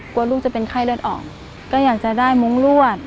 กลัวลูกจะเป็นไข้เลือดออกก็อยากจะได้มุ้งรวด